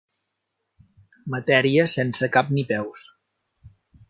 Matèria sense cap ni peus.